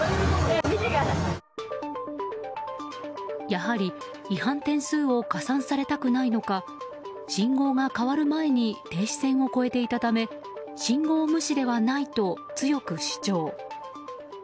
やはり違反点数を加算されたくないのか信号が変わる前に停止線を越えていたため信号無視ではないと強く主張。